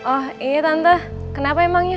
oh iya tante kenapa emangnya